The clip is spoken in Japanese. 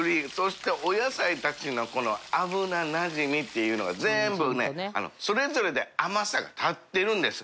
修靴お野菜たちのこの油なじみっていうのが管瑤それぞれで甘さがたってるんです。